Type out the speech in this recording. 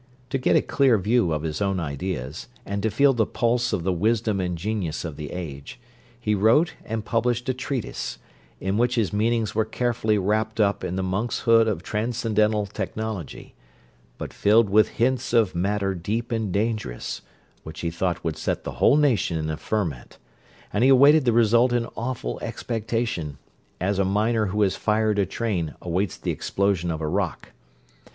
To get a clear view of his own ideas, and to feel the pulse of the wisdom and genius of the age, he wrote and published a treatise, in which his meanings were carefully wrapt up in the monk's hood of transcendental technology, but filled with hints of matter deep and dangerous, which he thought would set the whole nation in a ferment; and he awaited the result in awful expectation, as a miner who has fired a train awaits the explosion of a rock.